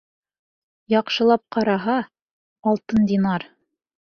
Яҡшылап ҡараһа: алтын динар!